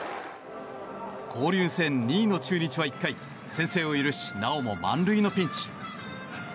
交流戦２位の中日は１回先制を許しなおも満塁のピンチ。